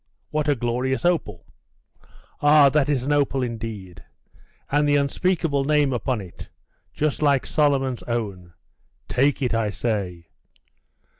'What a glorious opal!' 'Ah, that is an opal, indeed! And the unspeakable name upon it; just like Solomon's own. Take it, I say!